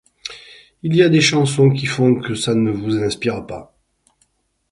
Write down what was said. Il y a des chansons qui font que ça ne vous inspire pas.